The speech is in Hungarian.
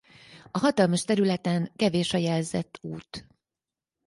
A hatalmas területen kevés a jelzett út.